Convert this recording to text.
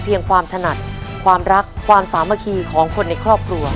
ความถนัดความรักความสามัคคีของคนในครอบครัว